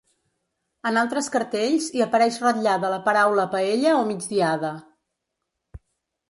En altres cartells hi apareix ratllada la paraula paella o migdiada.